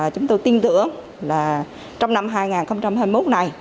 chúng tôi tin tưởng là trong năm hai nghìn hai mươi một này